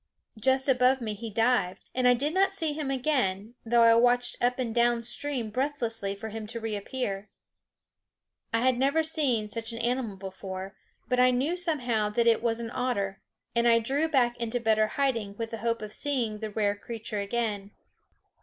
Just above me he dived, and I did not see him again, though I watched up and down stream breathlessly for him to reappear. I had never seen such an animal before, but I knew somehow that it was an otter, and I drew back into better hiding with the hope of seeing the rare creature again.